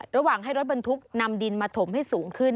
ระหว่างให้รถบรรทุกนำดินมาถมให้สูงขึ้น